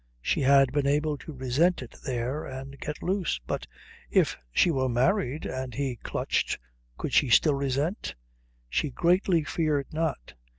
She had been able to resent it there and get loose, but if she were married and he clutched could she still resent? She greatly feared not.